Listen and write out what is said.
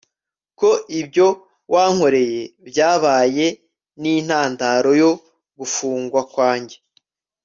ko ibyo wankoreye byabaye nintandaro yo gufungwa kwanjye